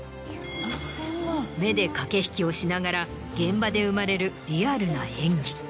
目で駆け引きをしながら現場で生まれるリアルな演技。